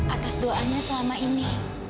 atas doanya selama ini